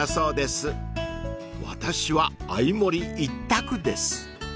［私はあい盛り一択です］